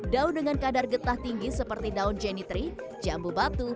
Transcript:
daun dengan kadar getah tinggi seperti daun jenitri jambu batu